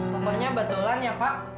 pokoknya kebetulan ya pak